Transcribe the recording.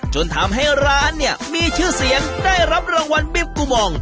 จนทำให้ร้านเนี่ยมีชื่อเสียงได้รับรางวัลบิมกูมอง